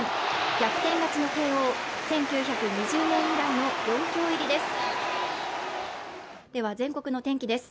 逆転勝ちの慶応１９２０年以来の４強入りです。